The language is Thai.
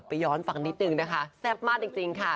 ย้อนฟังนิดนึงนะคะแซ่บมากจริงค่ะ